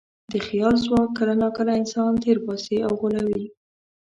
د خیال ځواک کله ناکله انسان تېر باسي او غولوي.